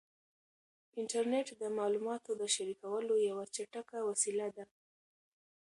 انټرنیټ د معلوماتو د شریکولو یوه چټکه وسیله ده.